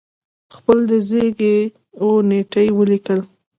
خپل د زیږی و نېټه ولیکل